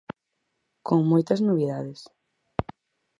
Con moitas novidades.